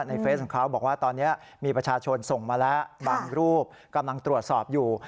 เฟสของเขาบอกว่าตอนนี้มีประชาชนส่งมาแล้วบางรูปกำลังตรวจสอบอยู่